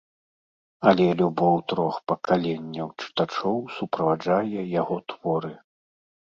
Але любоў трох пакаленняў чытачоў суправаджае яго творы.